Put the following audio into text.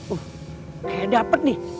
oh kayaknya dapet nih